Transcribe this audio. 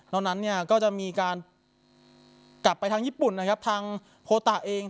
ตอนนั้นเนี่ยก็จะมีการกลับไปทางญี่ปุ่นนะครับทางโพตะเอง